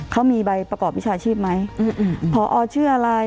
เขามีใบประกอบวิชาชีพไหมอืมอืมอืมหรือหรือหรือหรือหรือ